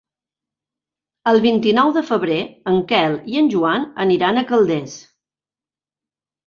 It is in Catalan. El vint-i-nou de febrer en Quel i en Joan aniran a Calders.